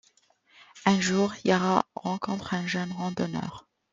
Un jour, Yara rencontre un jeune randonneur.